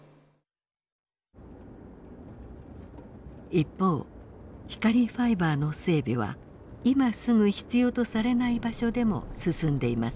一方光ファイバーの整備は今すぐ必要とされない場所でも進んでいます。